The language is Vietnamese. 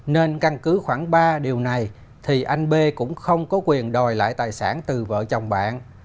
nên căn cứ khoảng ba điều này thì anh b cũng không có quyền đòi lại tài sản từ vợ chồng bạn